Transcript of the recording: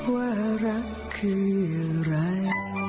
ว่ารักคืออะไร